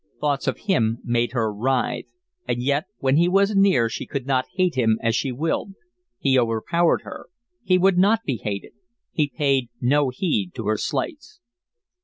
Thoughts of him made her writhe, and yet when he was near she could not hate him as she willed he overpowered her, he would not be hated, he paid no heed to her slights.